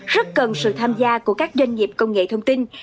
rất cần sự tham gia của các doanh nghiệp công nghệ thông tin